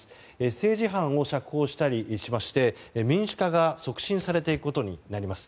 政治犯を釈放したりしまして民主化が促進されていくことになります。